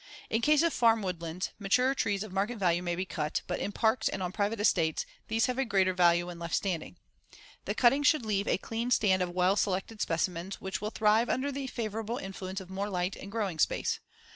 In case of farm woodlands, mature trees of market value may be cut, but in parks and on private estates these have a greater value when left standing. The cutting should leave a clean stand of well selected specimens which will thrive under the favorable influence of more light and growing space.